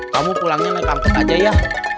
kamu pulangnya nekang nekang aja ya